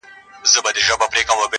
یه د زمان د ورکو سمڅو زنداني ه